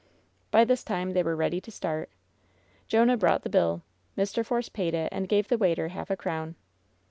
By this time they were ready to start Jonah brought the bill. Mr. Force paid it, and gave the waiter half a crown.